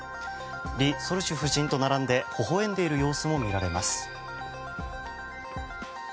リ・ソルジュ夫人と並んでほほ笑んでいる様子も見られます。